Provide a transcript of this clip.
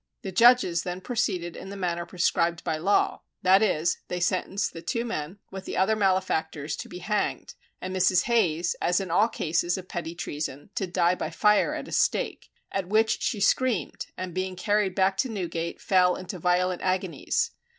The judges then proceeded in the manner prescribed by Law, that is, they sentenced the two men, with the other malefactors, to be hanged, and Mrs. Hayes, as in all cases of petty treason, to die by fire at a stake; at which she screamed, and being carried back to Newgate, fell into violent agonies.